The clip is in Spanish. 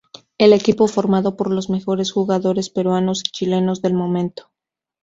El equipo formado por los mejores jugadores peruanos y chilenos del momento.